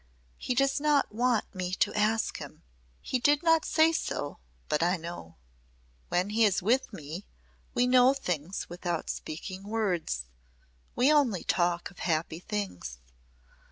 "He does not want me to ask him. He did not say so but I know. When he is with me we know things without speaking words. We only talk of happy things.